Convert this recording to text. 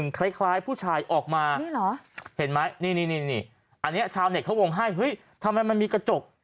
นี่หรอเห็นไหมนี่นี่นี่นี่นี่อันนี้ชาวเนฤียวงให้เฮ้ยทำไมมันมีกระจก